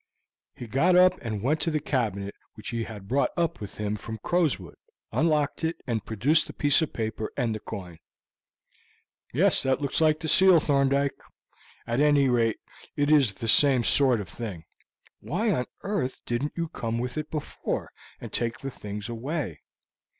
He got up and went to the cabinet which he had brought up with him from Crowswood, unlocked it, and produced the piece of paper and the coin. "Yes, that looks like the seal, Thorndyke. At any rate, it is the same sort of thing. Why on earth didn't you come with it before, and take the things away?"